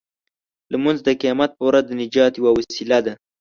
لمونځ د قیامت په ورځ د نجات یوه وسیله ده.